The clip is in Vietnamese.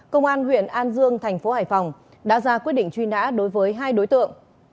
công an huyện an dương thành phố hải phòng đã ra quyết định truy nã đối với hai đối tượng